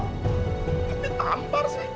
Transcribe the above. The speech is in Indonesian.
tapi tampar sih